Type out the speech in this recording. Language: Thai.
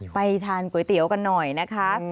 ไปทานก๋วยเตี๋ยวกันหน่อยนะคะ